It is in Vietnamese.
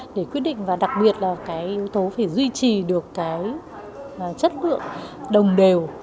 để quyết định và đặc biệt là yếu tố phải duy trì được chất lượng đồng đều